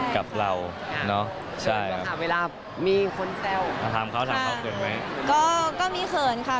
กับเราเนอะใช่ค่ะเวลามีคนแซวมาถามเขาถามเขาเขินไหมก็ก็มีเขินค่ะ